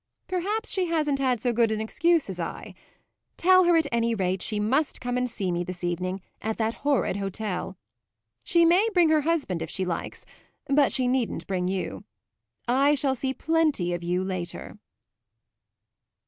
"Perhaps she hasn't had so good an excuse as I. Tell her at any rate that she must come and see me this evening at that horrid hotel. She may bring her husband if she likes, but she needn't bring you. I shall see plenty of you later."